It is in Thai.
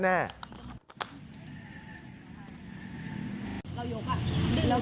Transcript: ก่อนหน้ารับหรือเปล่า